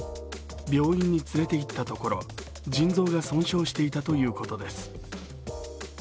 病院に連れていったところ、腎臓が損傷していたということです。